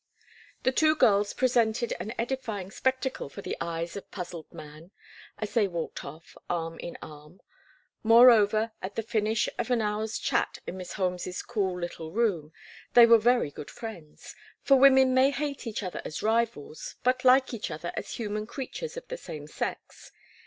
The two girls presented an edifying spectacle for the eyes of puzzled man as they walked off, arm in arm; moreover, at the finish of an hour's chat in Miss Holmes's cool little room they were very good friends, for women may hate each other as rivals but like each other as human creatures of the same sex.